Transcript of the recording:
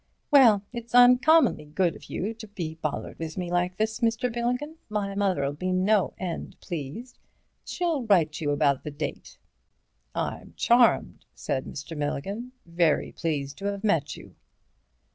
"Well, it's uncommonly good of you to be bothered with me like this, Mr. Milligan, my mother'll be no end pleased. She'll write you about the date." "I'm charmed," said Mr. Milligan, "very pleased to have met you."